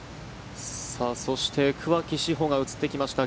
そして桑木志帆が映ってきました。